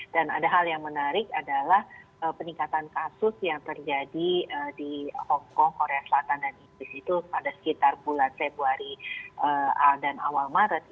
dan ada hal yang menarik adalah peningkatan kasus yang terjadi di hong kong korea selatan dan inggris itu pada sekitar bulan februari dan awal maret itu